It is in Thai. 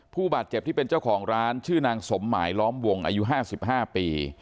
ผู้บาดเจ็บที่เป็นเจ้าของร้านชื่อนางสมหมายล้อมวงอายุ๕๕ปี